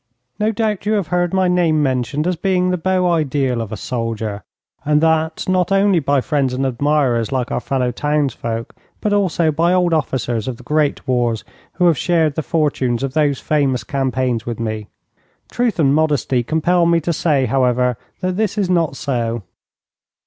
No doubt you have heard my name mentioned as being the beau ideal of a soldier, and that not only by friends and admirers like our fellow townsfolk, but also by old officers of the great wars who have shared the fortunes of those famous campaigns with me. Truth and modesty compel me to say, however, that this is not so.